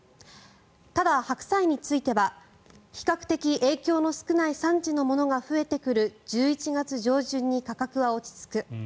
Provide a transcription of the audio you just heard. ただ、白菜については比較的影響の少ない産地のものが増えてくる１１月上旬に価格は落ち着く。